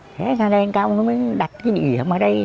thế ra lên cao ông ấy mới đặt cái ủy ẩm ở đây